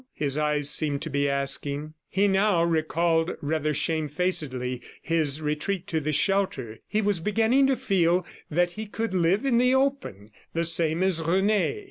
his eyes seemed to be asking. He now recalled rather shamefacedly his retreat to the shelter; he was beginning to feel that he could live in the open, the same as Rene.